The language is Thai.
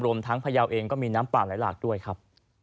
รวมทั้งพยาวเองก็มีน้ำป่าไหลหลากด้วยครับ